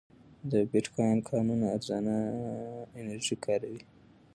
د بېټکوین کانونه ارزانه انرژي کاروي.